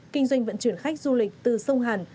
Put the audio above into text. kinh doanh vận chuyển khách du lịch từ sông hàn